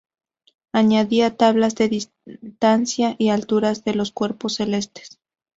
Añadía tablas de distancias y alturas de los cuerpos celestes.